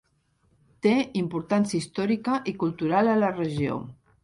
Té importància històrica i cultural a la regió.